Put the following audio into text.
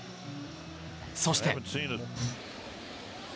そして。